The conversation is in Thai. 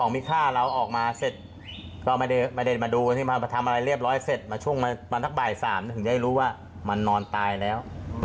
มาแบบว่ามันนอนตายแล้ว